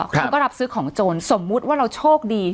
เขาก็รับซื้อของโจรสมมุติว่าเราโชคดี